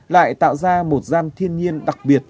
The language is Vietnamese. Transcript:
lại tạo ra một gian thiên nhiên đặc biệt